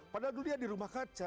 padahal dulu dia di rumah kaca